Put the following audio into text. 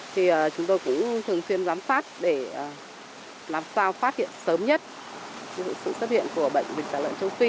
thì chúng tôi cũng thường xuyên giám sát để làm sao phát hiện sớm nhất sự xuất hiện của bệnh dịch tả lợn châu phi